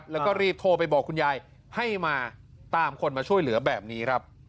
แล้วก็รีบโทรไปบอกคุณยายให้มาตามคนมาช่วยเหลือแบบนี้ครับ